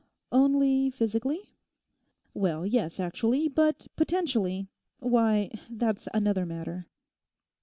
'Only physically?' 'Well, yes, actually; but potentially, why—that's another matter.